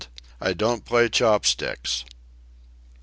. I don't play Chopsticks."